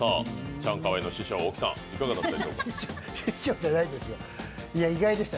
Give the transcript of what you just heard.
チャンカワイの師匠・大木さん、いかがだったでしょうか？